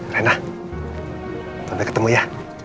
rena nanti ketemu ya